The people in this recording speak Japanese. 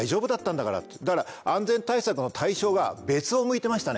だから安全対策の対象が別を向いてましたね。